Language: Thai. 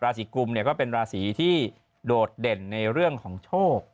ราศิกุมก็เป็นราศิที่โดดเด่นในเรื่องของโชค